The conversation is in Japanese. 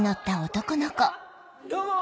どうも！